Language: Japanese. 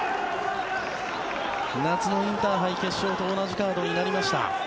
夏のインターハイ決勝と同じカードになりました。